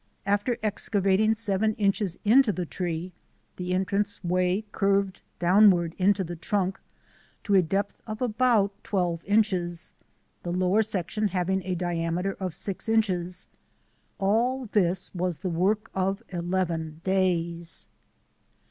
After excavating seven inches into the tree the entrance way curved downward into the trunk to a depth of about twelve inches, the lower section having a diameter of six inches. j All this was the work of eleven days.